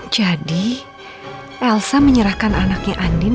jadi elsa menyerahkan anaknya andin